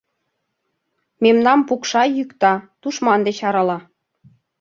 Мемнам пукша-йӱкта, тушман деч арала.